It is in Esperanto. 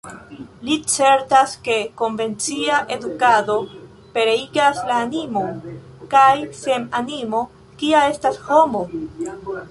Li certas, ke konvencia edukado pereigas la animon, kaj sen animo, kia estas homo?